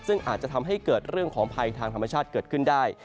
ซึ่งอาจจะทำให้เกิดเรื่องของภัยทางธรรมชาติเกิดขึ้นได้